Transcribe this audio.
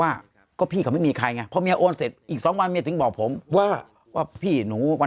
ว่าก็ไม่เขาออกเสร็จอีกสองไว้ถึงบอกผมไว้ว่าพี่นูว่า